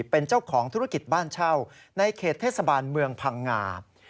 เป็นเจ้าของธุรกิจบ้านเช่าในเขตเทศบาลเมืองพังงา